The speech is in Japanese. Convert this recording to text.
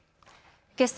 けさ